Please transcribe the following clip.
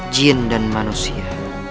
jin dan manusia